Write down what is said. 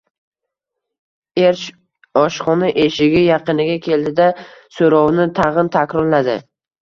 Er oshxona eshigi yaqiniga keldi-da, soʻrovini tagʻin takrorladi